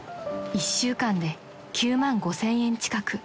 ［１週間で９万５，０００円近く］